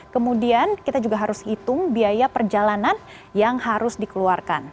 kemudian kita juga harus hitung biaya perjalanan yang harus dikeluarkan